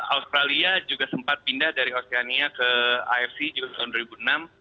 australia juga sempat pindah dari oceania ke afc juga tahun dua ribu enam